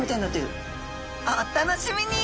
お楽しみに！